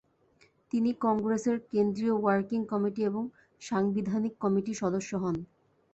তিনি কংগ্রেসের কেন্দ্রীয় ওয়ার্কিং কমিটি এবং সাংবিধানিক কমিটির সদস্য হন।